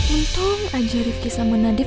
untung aja rifki sama nadif